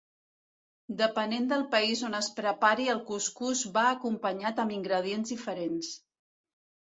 Depenent del país on es prepari el cuscús va acompanyat amb ingredients diferents.